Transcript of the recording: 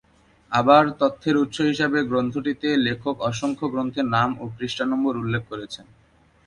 আবার, তথ্যের উৎস হিসেবে গ্রন্থটিতে লেখক অসংখ্য গ্রন্থের নাম ও পৃষ্ঠা নম্বর উল্লেখ করেছেন।